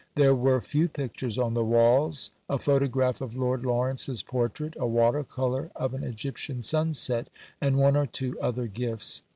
There were few pictures on the walls a photograph of Lord Lawrence's portrait, a water colour of an Egyptian sunset, and one or two other gifts.